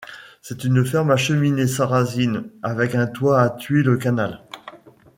C'est une ferme à cheminée sarrasine, avec un toit à tuiles canal.